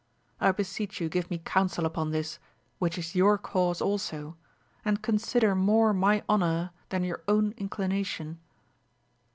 I beseech you give me counsel upon this, which is your cause also, and consider more my honour than your own inclination.